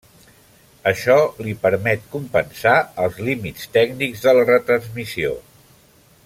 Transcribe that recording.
Això li permet compensar els límits tècnics de la retransmissió.